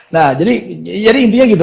nah jadi intinya gitu